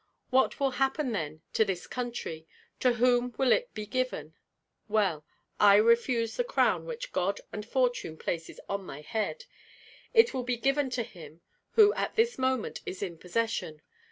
What will happen then to this country? To whom will it be given? Well, if I refuse the crown which God and fortune places on my head, it will be given to him who at this moment is in possession.